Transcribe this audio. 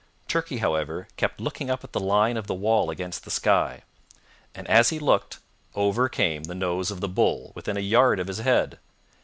Turkey, however, kept looking up at the line of the wall against the sky; and as he looked, over came the nose of the bull, within a yard of his head.